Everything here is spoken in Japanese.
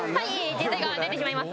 自衛隊が出てしまいます。